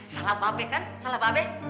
salah mba be kan salah mba be